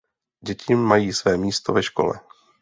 Děti mají své místo ve škole.